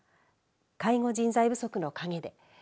介護人材不足の陰で。